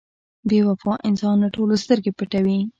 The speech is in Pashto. • بې وفا انسان له ټولو سترګې پټوي.